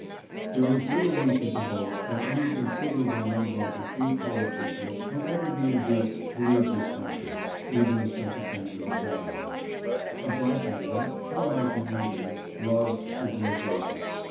... There is little reason to hope that any considerable number of the MECHANICS HATE NEGROES. 355 free colored people will ever be induced to leave this country, even if such a thing were desirable. The black man (unlike the Indian) loves civilization.